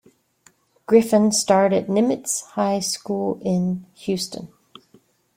Griffin starred at Nimitz High School in Houston.